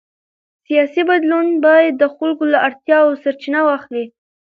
سیاسي بدلون باید د خلکو له اړتیاوو سرچینه واخلي